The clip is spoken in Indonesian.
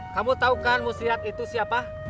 kamu tau kan muslihat itu siapa